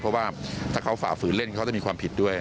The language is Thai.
เพราะว่าถ้าเขาฝ่าฝืนเล่นเขาจะมีความผิดด้วย